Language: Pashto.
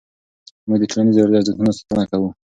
موږ د ټولنیزو ارزښتونو ساتنه کوو.